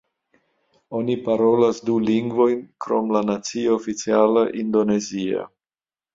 Oni parolas du lingvojn krom la nacia oficiala indonezia.